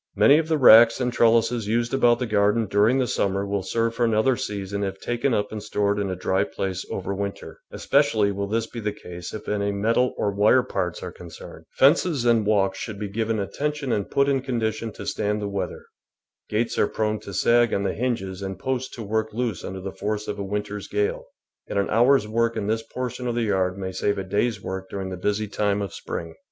Many of the racks and trellises used about the garden during the summer will serve for another season if taken up and stored in a dry place over winter; especially will this be the case if any metal or wire parts are concerned. Fences and walks [ 254< ] FALL WORK IN THE GARDEN should be given attention and put in condition to stand the weather. Gates are prone to sag on the hinges and posts to work loose under the force of a winter's gale, and an hour's work in this portion of the yard may save a day's work during the busy time of spring.